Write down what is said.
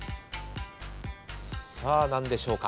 さあ何でしょうか。